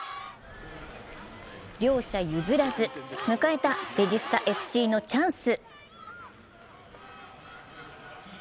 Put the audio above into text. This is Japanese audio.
両者譲らず、迎えたレジスタＦＣのチャンス。